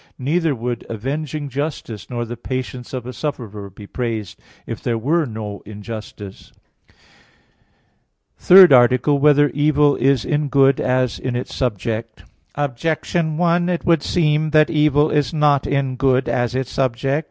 Neither would avenging justice nor the patience of a sufferer be praised if there were no injustice. _______________________ THIRD ARTICLE [I, Q. 48, Art. 3] Whether Evil Is in Good As in Its Subject? Objection 1: It would seem that evil is not in good as its subject.